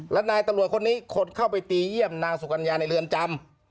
และนายตำรวจคนนี้ขดเข้าไปตีเยี่ยมนางสุกัญญาในเรือนจำ